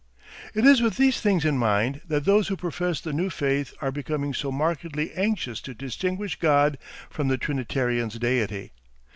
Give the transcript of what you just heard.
It is with these things in mind that those who profess the new faith are becoming so markedly anxious to distinguish God from the Trinitarian's deity.